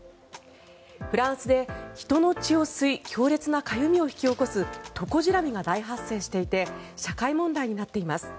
フランスで、人の血を吸い強烈なかゆみを引き起こすトコジラミが大発生していて社会問題になっています。